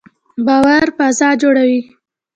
باور فضا جوړوي